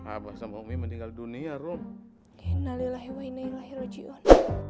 abah sama umi meninggal dunia rom